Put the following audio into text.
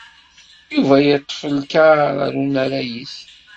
Yuba yeṭṭef lkar ar unaray-is.